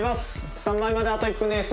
スタンバイまであと１分です。